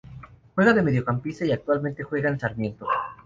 Juega de mediocampista y actualmente juega en Sarmiento.